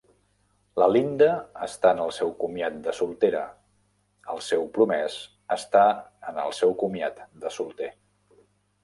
La Linda està en el seu comiat de soltera, el seu promès està en el seu comiat de solter.